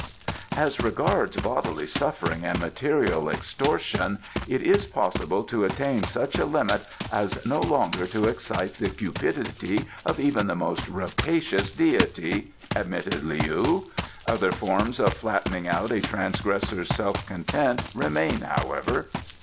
'" "As regards bodily suffering and material extortion, it is possible to attain such a limit as no longer to excite the cupidity of even the most rapacious deity," admitted Leou. "Other forms of flattening out a transgressor's self content remain however.